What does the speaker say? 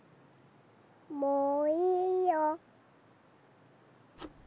もういいよ。